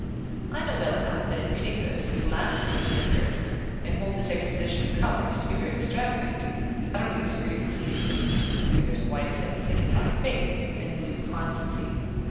I know well enough that, in reading this, you laugh at the old drinker, and hold this exposition of colours to be very extravagant, and utterly disagreeable to reason, because white is said to signify faith, and blue constancy.